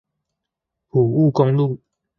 埔霧公路